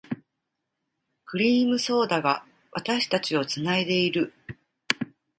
クリームソーダが、私たちを繋いでいる。